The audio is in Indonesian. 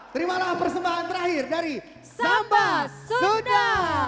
terimalah persembahan terakhir dari samba sunda